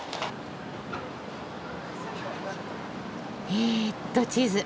えっと地図。